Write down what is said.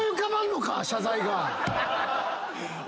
謝罪が。